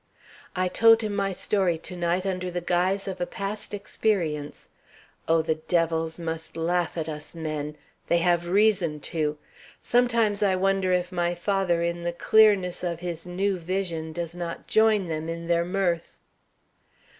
"I told him my story to night, under the guise of a past experience. Oh, the devils must laugh at us men! They have reason to. Sometimes I wonder if my father in the clearness of his new vision does not join them in their mirth.